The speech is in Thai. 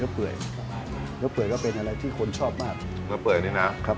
เนื้อเปลือยเนื้อเปลือยก็เป็นอะไรที่คนชอบมากเนื้อเปลือยดีนะครับ